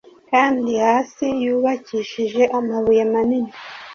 kandi hasi yubakishije amubuye manini!”